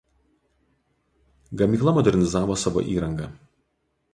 Gamykla modernizavo savo įrangą.